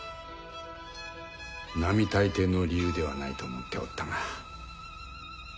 並大抵の理由ではないと思っておったが。